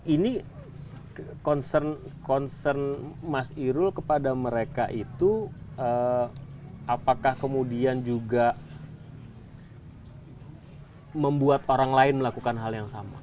ini concern mas irul kepada mereka itu apakah kemudian juga membuat orang lain melakukan hal yang sama